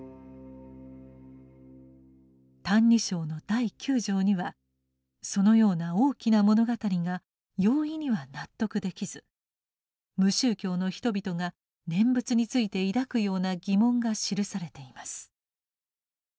「歎異抄」の第九条にはそのような「大きな物語」が容易には納得できず無宗教の人々が念仏について抱くような疑問が記されています。